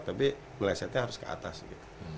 tapi melesetnya harus ke atas gitu